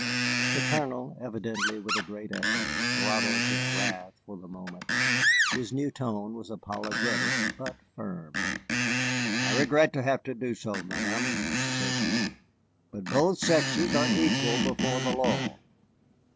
The Colonel, evidently with a great effort, throttled his wrath for the moment. His new tone was apologetic but firm. "I regret to have to do so, ma'am," said he, "but both sexes are equal before the law."